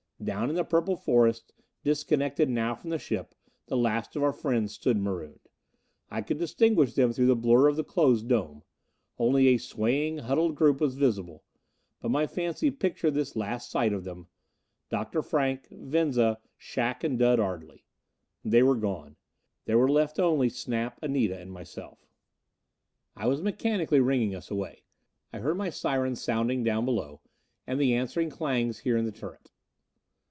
Down in the purple forest, disconnected now from the ship, the last of our friends stood marooned. I could distinguish them through the blur of the closed dome only a swaying, huddled group was visible. But my fancy pictured this last sight of them Dr. Frank, Venza, Shac and Dud Ardley. They were gone. There were left only Snap, Anita, and myself. I was mechanically ringing us away. I heard my sirens sounding down below, with the answering clangs here in the turret.